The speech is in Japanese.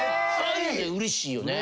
うれしいよね。